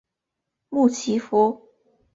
穆奇福。